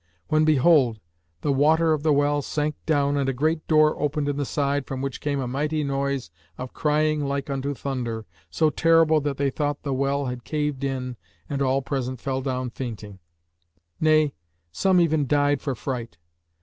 when behold, the water of the well sank down and a great door opened in the side, from which came a mighty noise of crying like unto thunder, so terrible that they thought the well had caved in and all present fell down fainting; nay, some even died for fright.